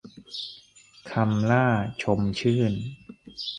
คำหล้า ชมชื่น